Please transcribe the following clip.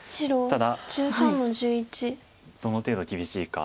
ただどの程度厳しいか。